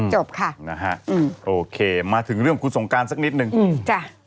จบค่ะนะฮะอืมโอเคมาถึงเรื่องคุณสงการสักนิดนึงอืมจ้ะ